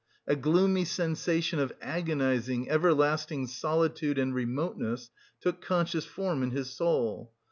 A gloomy sensation of agonising, everlasting solitude and remoteness, took conscious form in his soul.